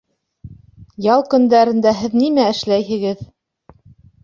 Ял көндәрендә һеҙ нимә эшләйһегеҙ?